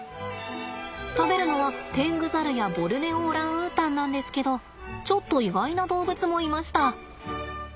食べるのはテングザルやボルネオオランウータンなんですけどちょっと意外な動物もいました。